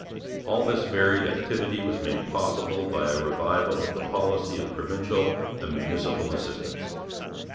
All this varied activity was made possible by a revival of the policy of provincial and municipal assistance.